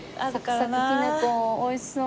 サクサクきな粉美味しそう。